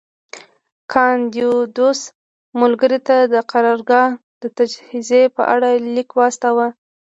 کاندیدوس ملګري ته د قرارګاه د تجهیز په اړه لیک واستاوه